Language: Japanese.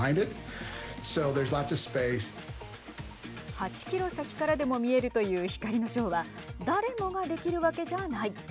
８キロ先からでも見えるという光のショーは誰もができるわけじゃない。